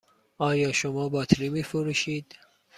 آیا شما باطری می فروشید؟